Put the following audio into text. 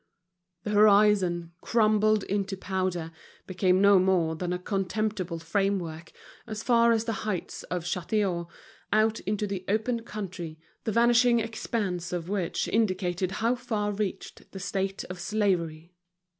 The horizon, crumbled into powder, became no more than a contemptible frame work, as far as the heights of Châtillon, out into the open country, the vanishing expanse of which indicated how far reached the state of slavery.